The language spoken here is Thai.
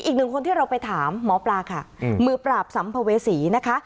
อีกหนึ่งคนที่เราไปถามหมอปลาค่ะมือปราบสัมภเวษีนะคะ